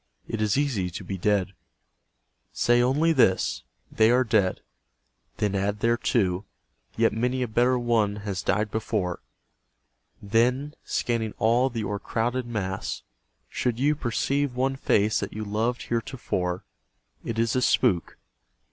It is easy to be dead. Say only this, " They are dead." Then add thereto, " Yet many a better one has died before." Then, scanning all the o'ercrowded mass, should you Perceive one face that you loved heretofore, It is a spook.